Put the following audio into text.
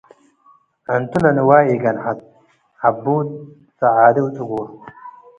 ዕንቱ ለንዋይ ኢገንሐት - ዐቡድ ጸዓዲ ወጽጉር